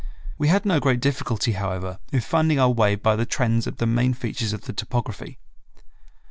We had no great difficulty, however, in finding our way by the trends of the main features of the topography.